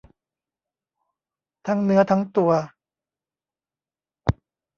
ทั้งเนื้อทั้งตัว